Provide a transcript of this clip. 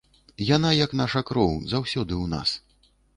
Яна, як наша кроў, заўсёды ў нас.